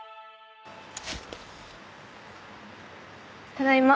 ただいま。